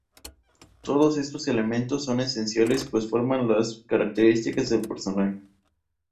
Todos estos elementos son esenciales pues forman las características del personaje.